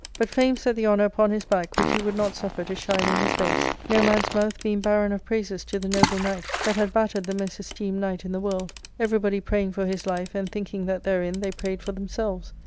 But fame set the honour upon his back which he would not suffer to shine in his face, no man's mouth being barren of praises to the noble knight that had battered the most esteenied knight in the world, everybody praying for his life and thinking that therein they prayed, for themselves.